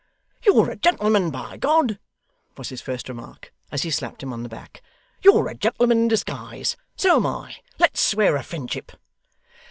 'You're a gentleman, by G !' was his first remark, as he slapped him on the back. 'You're a gentleman in disguise. So am I. Let's swear a friendship.